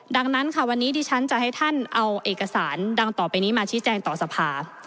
ดังนั้นค่ะวันนี้ดิฉันจะให้ท่านเอาเอกสารดังต่อไปนี้มาชี้แจงต่อสภา